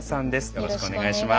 よろしくお願いします。